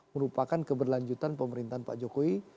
merupakan keberlanjutan pemerintahan pak jokowi